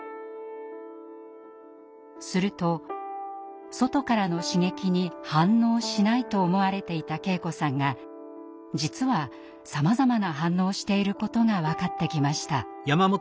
すると外からの刺激に「反応しない」と思われていた圭子さんが実はさまざまな反応をしていることが分かってきました。